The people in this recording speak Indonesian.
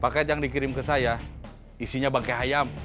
paket yang dikirim ke saya isinya bangke hayam